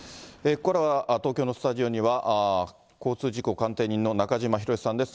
ここからは東京のスタジオには、交通事故鑑定人の中島博史さんです。